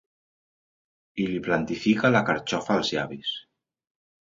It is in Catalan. I li plantifica la carxofa als llavis.